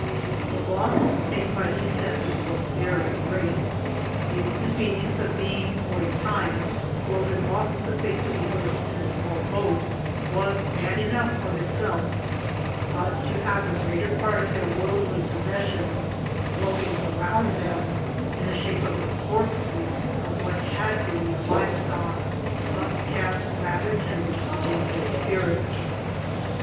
The loss sustained by these settlers was very great. The inconvenience of being for a time floated off the face of the earth in a small boat was bad enough of itself; but to have the greater part of their worldly possessions floating around them, in the shape of the corpses of what had been their live stock, must have rather tended to damp their spirits.